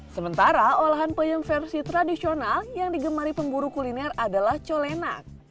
sementara olahan peyem versi tradisional yang digemari pemburu kuliner adalah colenak